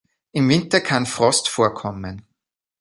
Im Winter kann Frost vorkommen.